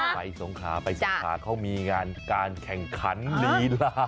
ไปทรงคลาไปทรงคลาเขามีงานการแข่งขันลีลา